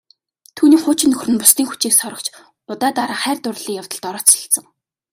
Түүний хуучин нөхөр нь бусдын хүчийг сорогч удаа дараа хайр дурлалын явдалд орооцолдсон.